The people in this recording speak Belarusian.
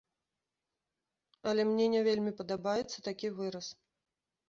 Але мне не вельмі падабаецца такі выраз.